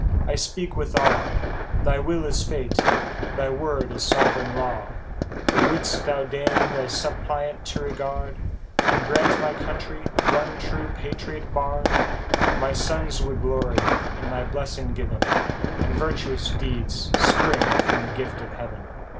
I speak with awe, Thy will is fate, thy word is sovereign law ! O, wouldst thou deign thy suppliant to regard, And grant my country one true Patriot Bard, My sons would glory in the blessing given, And virtuous deeds spring from the gift of heaven